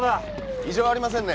異常はありませんね。